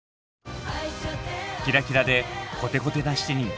キラキラでコテコテな７人。